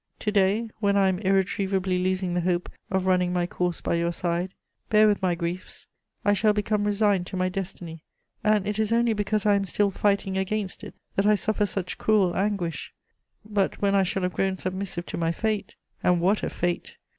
To day, when I am irretrievably losing the hope of running my course by your side, bear with my griefs. I shall become resigned to my destiny, and it is only because I am still fighting against it that I suffer such cruel anguish; but when I shall have grown submissive to my fate.... And what a fate!